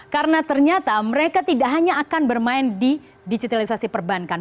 karena ternyata mereka tidak hanya akan bermain di digitalisasi perbankan